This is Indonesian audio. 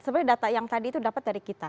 sebenarnya data yang tadi itu dapat dari kita